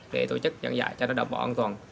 để tổ chức giảng dạy cho nó đảm bảo an toàn